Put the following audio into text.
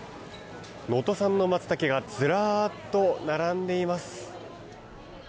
能登産のマツタケがずらっと並んでいます。